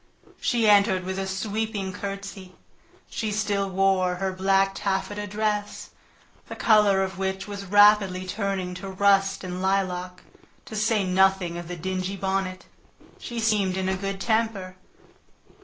She entered with a sweeping courtesy. She still wore her black taffeta dress, the color of which was rapidly turning to rust and lilac, to say nothing of the dingy bonnet. She seemed in a good temper.